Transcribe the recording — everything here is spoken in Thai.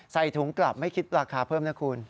ใส่ถุงกลับไม่คิดราคาเพิ่มนะคุณ